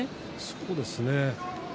そうですね。